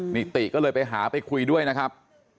ติก็เลยไปหาไปคุยด้วยนะครับ